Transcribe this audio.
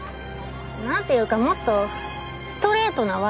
なんていうかもっとストレートなワル。